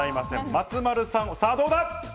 松丸さん、さぁどうだ？